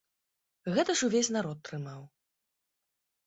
Гэта ж увесь народ трымаў.